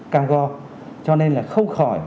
càng go cho nên là không khỏi